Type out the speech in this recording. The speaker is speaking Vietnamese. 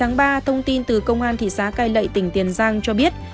ngày một mươi ba thông tin từ công an thị xã cai lệ tỉnh tiền giang cho biết